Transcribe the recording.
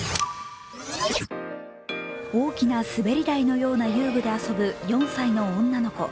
大きな滑り台のような遊具で遊ぶ４歳の女の子。